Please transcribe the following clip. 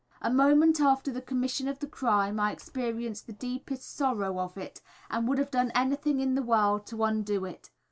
A moment after the commission of the crime I experienced the deepest sorrow of it, and would have done anything in the world to undo it."